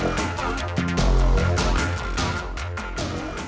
lu gua lu gua